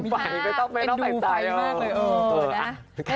ไม่ต้องไปไฟเลยไม่ต้องไปดูไฟมากเลย